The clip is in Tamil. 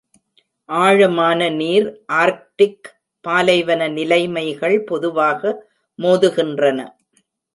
ஆழமான நீர், ஆர்க்டிக், பாலைவன நிலைமைகள் பொதுவாக மோதுகின்றன.